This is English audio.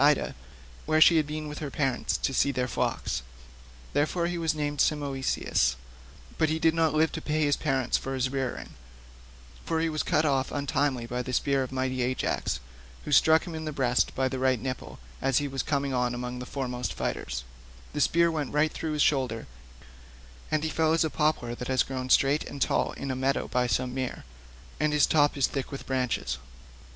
Ida, where she had been with her parents to see their flocks. Therefore he was named Simoeisius, but he did not live to pay his parents for his rearing, for he was cut off untimely by the spear of mighty Ajax, who struck him in the breast by the right nipple as he was coming on among the foremost fighters; the spear went right through his shoulder, and he fell as a poplar that has grown straight and tall in a meadow by some mere, and its top is thick with branches.